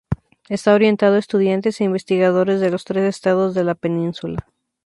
Está orientado a estudiantes e investigadores de los tres estados de la Península.